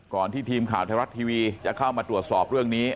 ที่ทีมข่าวไทยรัฐทีวีจะเข้ามาตรวจสอบเรื่องนี้